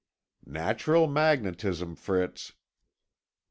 "Natural magnetism, Fritz."